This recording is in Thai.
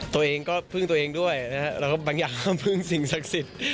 ตัวเองก็พึ่งตัวเองด้วยนะครับแล้วก็บางอย่างก็พึ่งสิ่งศักดิ์สิทธิ์